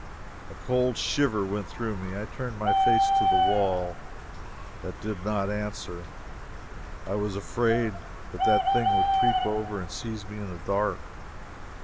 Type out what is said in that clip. A cold shiver went through me. I turned my face to the wall. That did not answer. I was afraid that that thing would creep over and seize me in the dark.